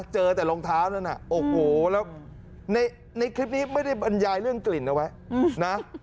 เจอแต่รองเท้านั้นโอ้โหแล้วในคลิปนี้ไม่ได้บรรยายเรื่องกลิ่นเอาไว้นะ